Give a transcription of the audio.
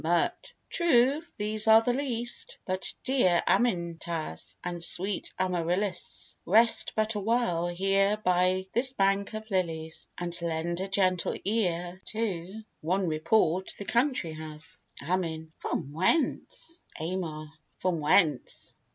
MIRT. True, these are the least. But dear Amintas, and sweet Amarillis, Rest but a while here by this bank of lilies; And lend a gentle ear to one report The country has. AMIN. From whence? AMAR. From whence?